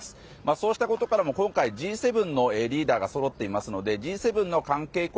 そうしたことからも今回Ｇ７のリーダーがそろっていますのでＧ７の関係国